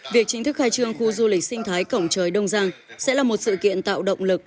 việc chính thức khai trương khu du lịch sinh thái cổng trời đông giang sẽ là một sự kiện tạo động lực